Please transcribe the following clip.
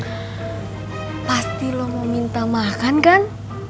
nadi lo mau minta makan kan